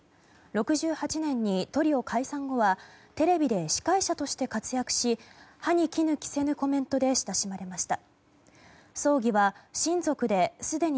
６８年にトリオ解散後はテレビで司会者として活躍し歯に衣着せぬコメントで親しまれました。